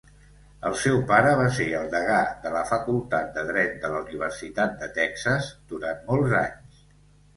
El seu pare va ser el degà de la Facultat de Dret de la Universitat de Texas durant molts anys.